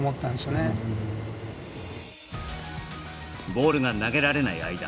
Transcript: ボールが投げられない間